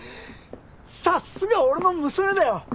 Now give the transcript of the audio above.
さっすが俺の娘だよ！